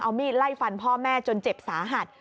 เอามีดไล่ฟันพ่อแม่จนเจ็บสาหัส